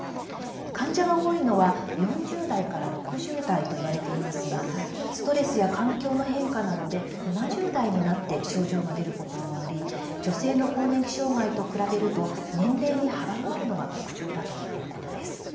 患者が多いのは４０代から６０代といわれていますがストレスや環境の変化などで７０代になって症状が出ることもあり女性の更年期障害と比べると年齢に幅があるのが特徴だということです。